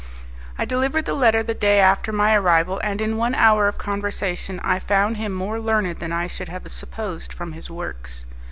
I delivered the letter the day after my arrival, and in one hour of conversation I found him more learned than I should have supposed from his works.